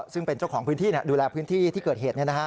ซึ่งเป็นเจ้าของพื้นที่ดูแลพื้นที่ที่เกิดเหตุ